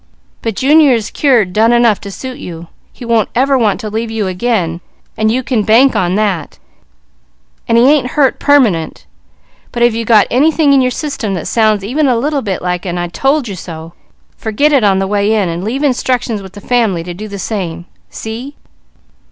But Junior is cured done enough to suit you; he won't ever want to leave you again, you can bank on that and he ain't hurt permanent; but if you have got anything in your system that sounds even a little bit like 'I told you so,' forget it on the way in, and leave instructions with the family to do the same. See?